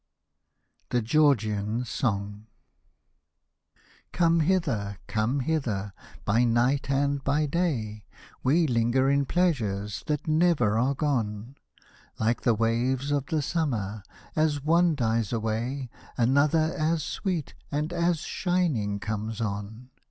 THE GEORGIAN'S SONG Come hither, come hither — by night and by day, We linger in pleasures that never are gone ; Like the waves of the summer, as one dies away, Another as sweet and as shining comes on.